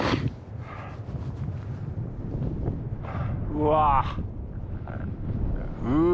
うわうわ！